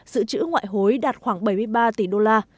sự chữ ngoại hối đạt khoảng bảy mươi ba tỷ đô la